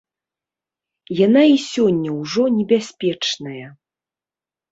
Яна і сёння ўжо небяспечная.